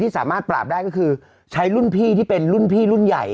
สามารถปราบได้ก็คือใช้รุ่นพี่ที่เป็นรุ่นพี่รุ่นใหญ่